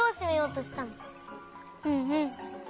うんうん。